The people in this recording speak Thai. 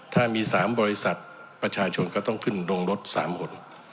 ถ้ามี๓บริษัทประชาชนก็ต้องขึ้นดงรถ๓คน